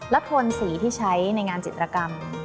โทนสีที่ใช้ในงานจิตรกรรม